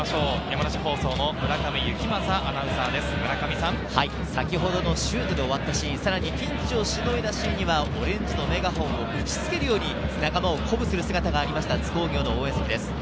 山梨放送の村上幸政アナ先ほどのシュートで終わったシーン、さらにピンチをしのいだシーンにはオレンジのメガホンを打ちつけるように背中を鼓舞する姿がありました。